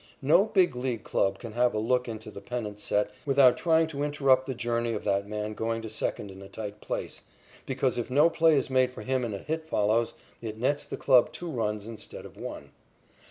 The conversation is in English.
No Big League club can have a look into the pennant set without trying to interrupt the journey of that man going to second in a tight place, because if no play is made for him and a hit follows, it nets the club two runs instead of one.